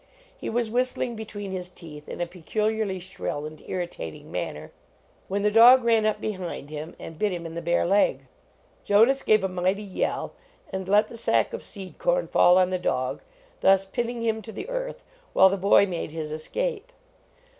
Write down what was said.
He was whistling between his teeth in a peculiar ly shrill and irritating manner, when the dog ran up behind him and bit him in the bare leg. Jonas gave a mighty yell and let the sack of seed corn fall on the dog, thus pin ning him to the earth while the boy made his escape.